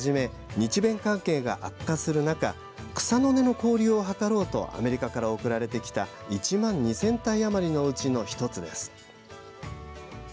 日米関係が悪化する中草の根の交流を図ろうとアメリカから贈られてきた１万２０００体余りのうちの１つです。